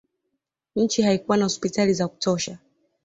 nchi haikuwa na hospitali za kutosha